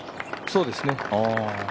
そうですね。